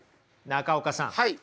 中岡さん